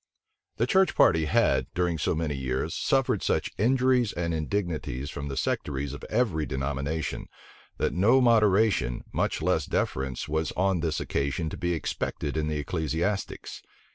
The church party had, during so many years, suffered such injuries and indignities from the sectaries of every denomination, that no moderation, much less deference, was on this occasion to be expected in the ecclesiastics.